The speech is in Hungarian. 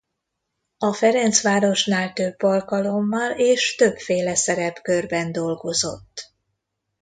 A Ferencvárosnál több alkalommal és többféle szerepkörben dolgozott.